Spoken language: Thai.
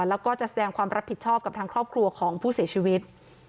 แล้วก็จะแสดงความรับผิดชอบกับทางครอบครัวของผู้เสียชีวิต